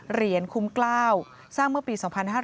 เหรียญคุ้มกล้าวสร้างเมื่อปี๒๕๕๙